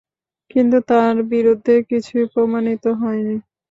কিন্তু তার বিরুদ্ধে কিছুই প্রমাণিত হয়নি।